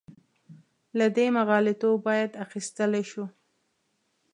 له دې مغالطو باید اخیستلی شو.